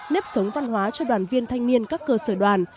nếp sống văn hóa cho đoàn viên thanh niên các cơ sở đoàn